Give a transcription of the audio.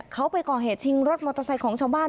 เขาไปก่อเหตุชิงรถมอเตอร์ไซค์ของชาวบ้าน